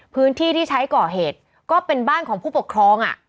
พื้นที่ที่ใช้ก่อเหตุก็เป็นบ้านของผู้ปกครอง